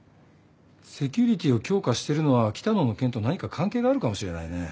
セキュリティーを強化してるのは喜多野の件と何か関係があるかもしれないね。